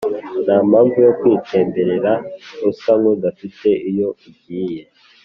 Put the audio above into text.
nta mpamvu yo kwitemberera usa nk’udafite iyo ugiye